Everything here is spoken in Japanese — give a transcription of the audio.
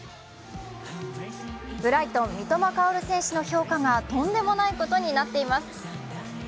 ブライトン・三笘薫選手の評価がとんでもないことになっています。